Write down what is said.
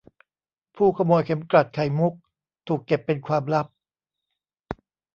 ผู้ขโมยเข็มกลัดไข่มุกถูกเก็บเป็นความลับ